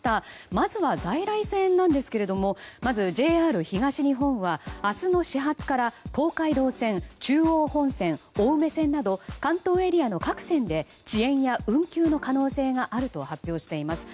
まずは、在来線なんですけれどもまずＪＲ東日本は明日の始発から東海道線、中央本線青梅線など関東エリアの各線で遅延や運休の可能性があると発表しています。